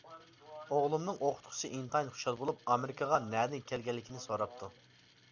ئوغلۇمنىڭ ئوقۇتقۇچىسى ئىنتايىن خۇشال بولۇپ، ئامېرىكىغا نەدىن كەلگەنلىكىنى سوراپتۇ.